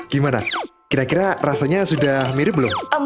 gimana kira kira rasanya sudah mirip belum